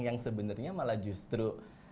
yang sebenarnya malah justru